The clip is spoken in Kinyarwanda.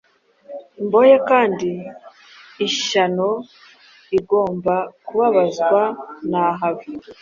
Imbohe kandi ishyanoigomba kubabazwa-nahava